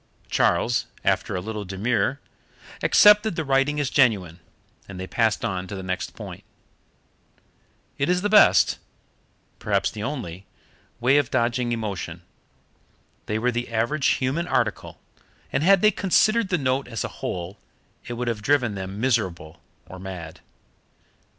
Charles, after a little demur, accepted the writing as genuine, and they passed on to the next point. It is the best perhaps the only way of dodging emotion. They were the average human article, and had they considered the note as a whole it would have driven them miserable or mad.